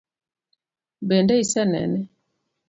Bende isenene?